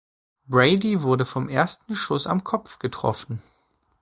Brady wurde vom ersten Schuss am Kopf getroffen.